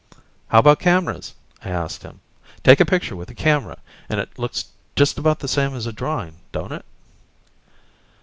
"How about cameras?" I asked him. "Take a picture with a camera and it looks just about the same as a drawing, don't it?"